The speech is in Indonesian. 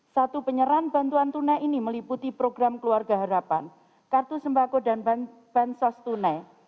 satu penyerahan bantuan tunai ini meliputi program keluarga harapan kartu sembako dan bansos tunai